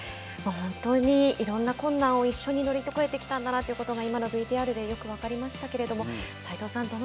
本当にいろんな困難を一緒に乗り越えてきたんだなということが今のＶＴＲでよく分かりましたけれども齋藤さん